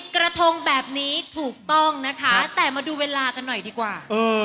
กระทงแบบนี้ถูกต้องนะคะแต่มาดูเวลากันหน่อยดีกว่า